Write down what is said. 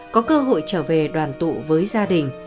có cơ hội trở về đoàn tụ với gia đình